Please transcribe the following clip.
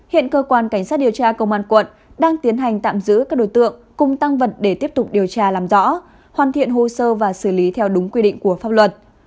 hiện cơ quan cảnh sát điều tra công an quận đang tiến hành tạm giữ các đối tượng cùng tăng vật để tiếp tục điều tra làm rõ hoàn thiện hồ sơ và xử lý theo đúng quy định của pháp luật